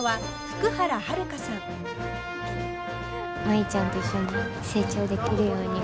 舞ちゃんと一緒に成長できるように。